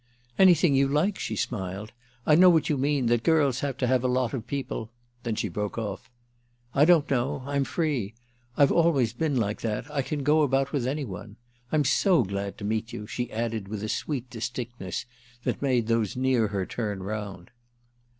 "Anything you like!" she smiled. "I know what you mean, that girls have to have a lot of people—" Then she broke off: "I don't know; I'm free. I've always been like that—I can go about with any one. I'm so glad to meet you," she added with a sweet distinctness that made those near her turn round.